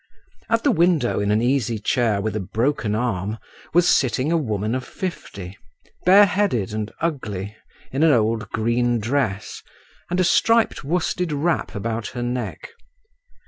At the window in an easy chair with a broken arm was sitting a woman of fifty, bareheaded and ugly, in an old green dress, and a striped worsted wrap about her neck.